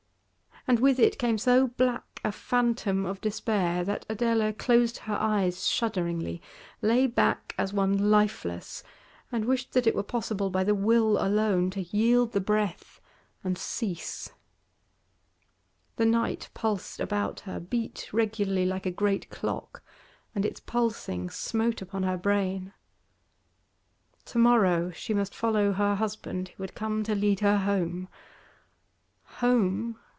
And with it came so black a phantom of despair that Adela closed her eyes shudderingly, lay back as one lifeless, and wished that it were possible by the will alone to yield the breath and cease. The night pulsed about her, beat regularly like a great clock, and its pulsing smote upon her brain. To morrow she must follow her husband, who would come to lead her home. Home?